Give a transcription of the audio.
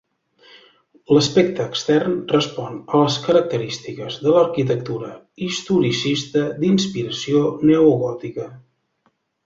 L'aspecte extern respon a les característiques de l'arquitectura historicista d'inspiració neogòtica.